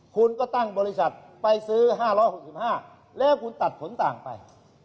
คุณก็ตั้งบริษัทไปซื้อ๕๖๕แล้วคุณตัดผลต่างไป